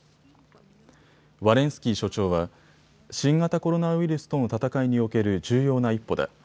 ワレンスキー所長は新型コロナウイルスとの闘いにおける重要な一歩だ。